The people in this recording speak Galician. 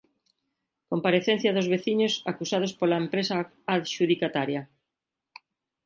Comparecencia dos veciños acusados pola empresa adxudicataria.